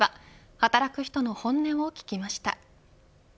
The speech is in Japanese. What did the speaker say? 働く人の本音を聞きました。